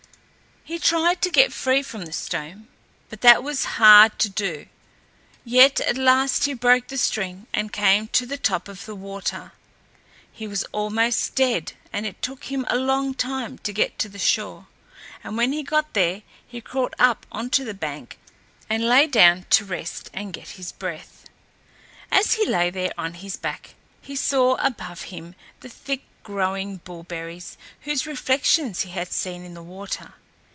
He tried to get free from the stone, but that was hard to do; yet at last he broke the string and came to the top of the water. He was almost dead, and it took him a long time to get to the shore, and when he got there he crawled up on to the bank and lay down to rest and get his breath. As he lay there on his back, he saw above him the thick growing bullberries whose reflections he had seen in the water.